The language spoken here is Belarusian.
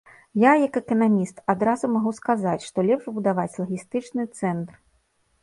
Я, як эканаміст, адразу магу сказаць, што лепш будаваць лагістычны цэнтр.